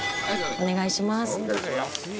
お願いします。